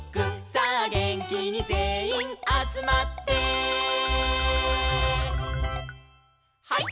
「さあげんきにぜんいんあつまって」「ハイ！